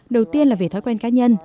đầu tiên là về thói quen cá nhân